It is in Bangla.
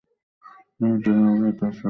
ধর্মটা যেন ভাত, আর সবগুলো তরকারি।